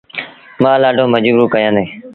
مآل ڏآڍو مجبور ڪيآندي۔